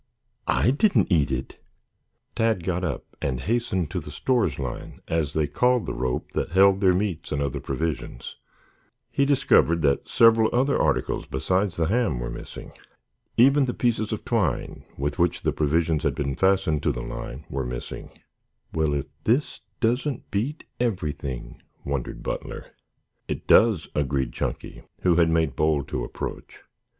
I didn't eat it." Tad got up and hastened to the "stores line," as they called the rope that held their meats and other provisions. He discovered that several other articles besides the ham were missing. Even the pieces of twine with which the provisions had been fastened to the line were missing. "Well, if this doesn't beat everything!" wondered Butler. "It does," agreed Chunky, who had made bold to approach.